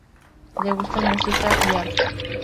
Le gusta musica y arte.